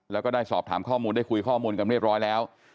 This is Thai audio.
แล้วก็ได้สอบถามข้อมูลได้คุยข้อมูลกันเรียบร้อยแล้ว